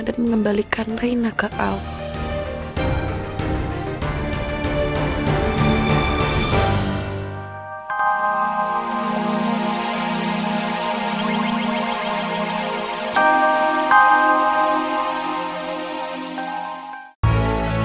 dan mengembalikan raina ke awam